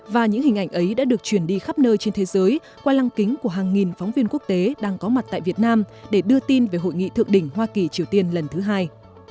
và những hình ảnh ấy đã được truyền đi khắp nơi trên thế giới qua lăng kính của hàng nghìn phóng viên quốc tế đang có mặt tại việt nam để đưa tin về hội nghị thượng đỉnh hoa kỳ triều tiên lần thứ hai